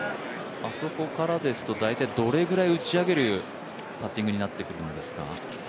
あそこからですと、どれぐらい打ち上げるパッティングになってくるんですか？